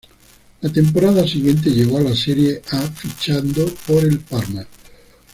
La temporada siguiente llegó a la Serie A fichando por el Parma.